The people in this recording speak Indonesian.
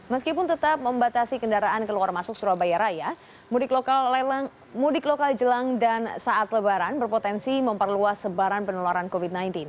meskipun tetap membatasi kendaraan keluar masuk surabaya raya mudik lokal jelang dan saat lebaran berpotensi memperluas sebaran penularan covid sembilan belas